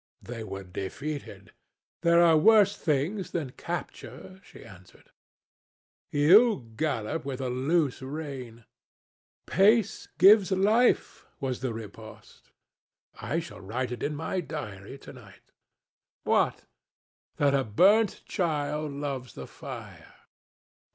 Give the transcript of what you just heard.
"They were defeated." "There are worse things than capture," she answered. "You gallop with a loose rein." "Pace gives life," was the riposte. "I shall write it in my diary to night." "What?" "That a burnt child loves the fire."